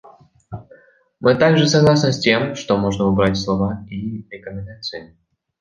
Мы также согласны с тем, что можно убрать слова «и рекомендации».